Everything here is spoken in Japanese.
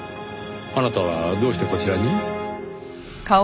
あなたはどうしてこちらに？